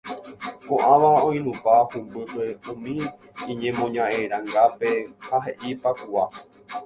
ko'ãva oinupã humbýpe umi iñemoñare'angápe ha he'i pákua